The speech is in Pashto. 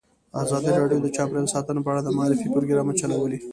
ازادي راډیو د چاپیریال ساتنه په اړه د معارفې پروګرامونه چلولي.